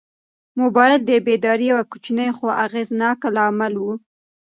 موبایل د بیدارۍ یو کوچنی خو اغېزناک لامل و.